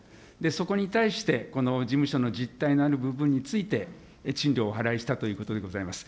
そこに対して、この事務所の実態のある部分について、賃料をお払いしたということでございます。